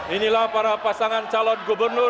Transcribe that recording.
inilah para pasangan calon gubernur